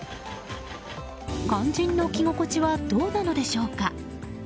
肝心の着心地はどうなのでしょうか。